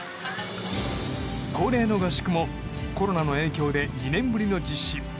恒例の合宿もコロナの影響で２年ぶりの実施。